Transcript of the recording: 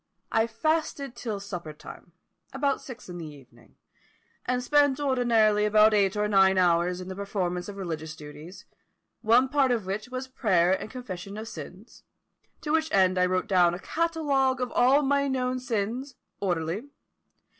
I fasted till supper time, about six in the evening, and spent ordinarily about eight or nine hours in the performance of religious duties; one part of which was prayer and confession of sins, to which end I wrote down a catalogue of all my known sins, orderly.